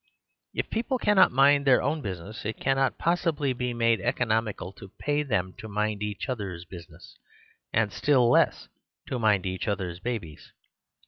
If people cannot mind their own business, it cannot possibly be more economical to pay them to mind each other's business; and still less to mind each other's babies.